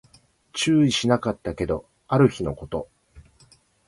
注意しなかったけど、ある日のこと